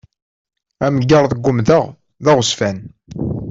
Amgerḍ n umdeɣ d aɣezzfan.